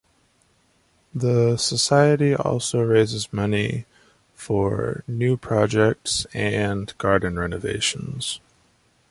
The Society also raises money for new projects and Garden renovations.